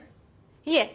いえ